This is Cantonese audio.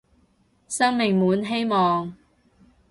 生命滿希望